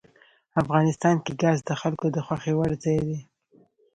افغانستان کې ګاز د خلکو د خوښې وړ ځای دی.